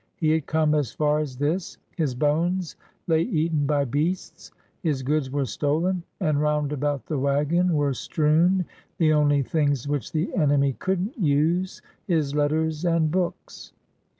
He had come as far as this. His bones lay eaten by beasts, his goods were stolen, and round about the wagon were strewn the only things which the enemy could n't use, his letters and books.